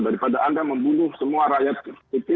daripada anda membunuh semua rakyat